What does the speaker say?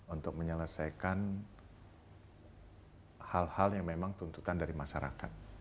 untuk menyelesaikan hal hal yang memang tuntutan dari masyarakat